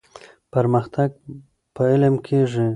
پرمختګ په علم کيږي.